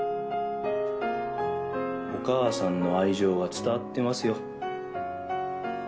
お母さんの愛情は伝わってますよ。